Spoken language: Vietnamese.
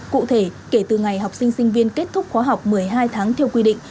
cụ thể kể từ ngày học sinh sinh viên kết thúc khóa học một mươi hai tháng theo quy định